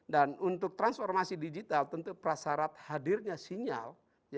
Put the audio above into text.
dan untuk transformasi digital tentu prasarat hadirnya sinyal